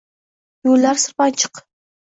Yo‘llar sirpanchiq.